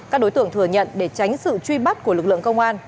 các đối tượng thừa nhận để tránh sự truy bắt của lực lượng công an